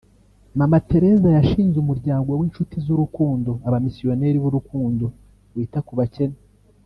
Mama Tereza yashinze umuryango w’inshuti z’urukundo (abamisiyoneri b’Urukundo) wita ku bakene